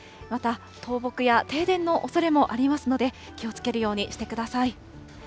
また、倒木や停電のおそれもありますので、気をつけるようにしてください。